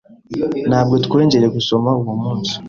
Ntabwo twongeye gusoma uwo munsi